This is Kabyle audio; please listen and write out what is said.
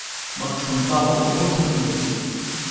Ma ṭṭfent-aɣ, nemmut nemmut.